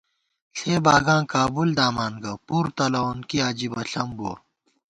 ݪےباگاں کابُل دامان گہ، پُر تلَوون کی عجِبہ ݪم بُوَہ